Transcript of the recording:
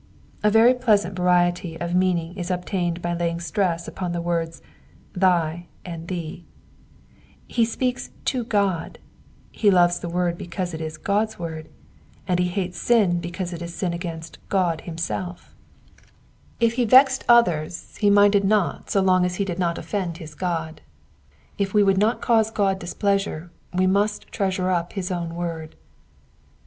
A very pleasant variety of meaning is obtained by laying stress upon the words thy" and *'thee." He speaks to God^ he loves the word because it is Qod^s word, and he hates sin because it is sin against Ood himself. If Digitized by VjOOQIC PSALM OKE HUKDBBD AND NINETEEN— VERSES 9 TO 16. 35 lie vexed others, he minded not so long as he did not offend his Qod. If we would not cause God displeasure we must treasure up his own word.